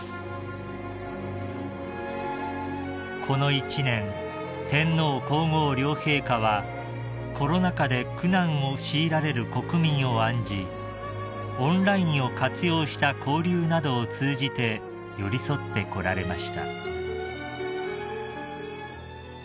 ［この一年天皇皇后両陛下はコロナ禍で苦難を強いられる国民を案じオンラインを活用した交流などを通じて寄り添ってこられました］